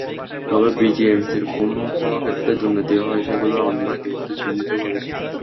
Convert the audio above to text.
তবে বিজেএমসির কোন কোন ক্ষেত্রে দুর্নীতি হয়, সেগুলো আমরা ইতিমধ্যে চিহ্নিত করেছি।